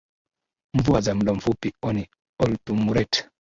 Mvua za muda mfupi ni Oltumuret